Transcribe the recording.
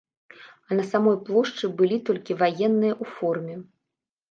А на самой плошчы былі толькі ваенныя ў форме.